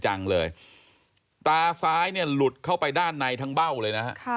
จังเลยตาซ้ายเนี่ยหลุดเข้าไปด้านในทั้งเบ้าเลยนะฮะ